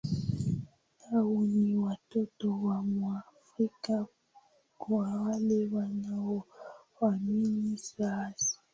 au ni watoto wa Mwafrika kwa wale wanaoamini sayansi